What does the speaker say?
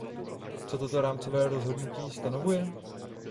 Co toto rámcové rozhodnutí stanovuje?